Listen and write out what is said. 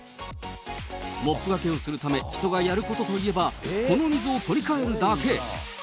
モップがけをするため、人がやることといえば、この水を取り替えるだけ。